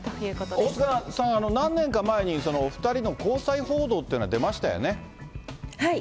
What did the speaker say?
大塚さん、何年か前にお２人の交際報道っていうのは出ましたよね。